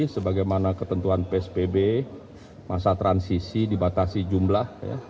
sebagaimana ketentuan psbb masa transisi dibatasi jumlah